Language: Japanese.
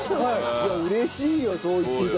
いやうれしいよそう言っていただけて。